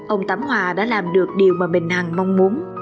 ông tám hòa đã làm được điều mà mình hằng mong muốn